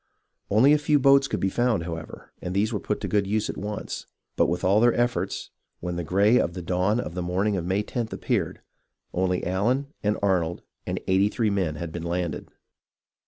Only a few boats could be found, however, and these were put to good use at once ; but with all their efforts, when the gray of the dawn of the morning of May loth appeared, only Allen, and Arnold, and eighty three men had been landed.